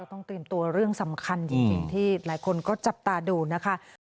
ต้องเตรียมตัวเรื่องสำคัญจริงที่หลายคนก็จับตาดูนะคะ